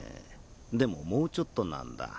でももうちょっとなんだ。